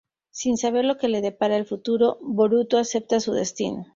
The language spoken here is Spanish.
Sin saber lo que le depara el futuro, Boruto acepta su destino.